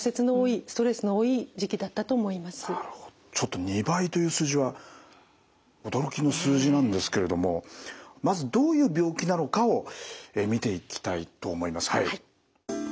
ちょっと２倍という数字は驚きの数字なんですけれどもまずどういう病気なのかを見ていきたいと思います。